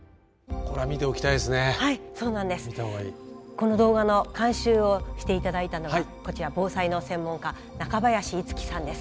この動画の監修をしていただいたのがこちら防災の専門家中林一樹さんです。